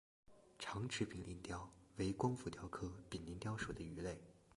长齿柄鳞鲷为光腹鲷科柄鳞鲷属的鱼类。